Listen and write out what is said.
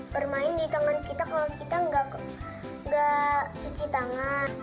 bermain di tangan kita kalau kita nggak cuci tangan